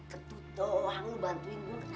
ketut doang lu bantuin gua